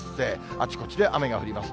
あちこちで雨が降ります。